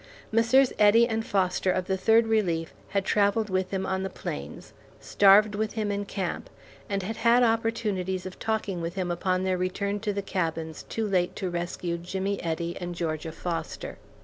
Messrs. Eddy and Foster of the Third Relief had travelled with him on the plains, starved with him in camp, and had had opportunities of talking with him upon their return to the cabins too late to rescue Jimmy Eddy and Georgia Foster.